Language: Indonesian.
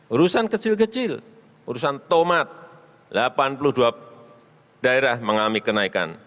urusan kecil kecil urusan tomat delapan puluh dua daerah mengalami kenaikan